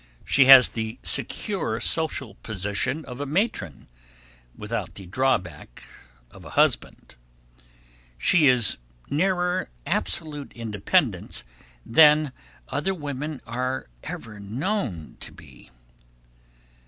She has the secure social position of a matron without the drawback of a husband. She is nearer absolute independence than other women are ever known to be.